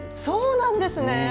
そうなんですね！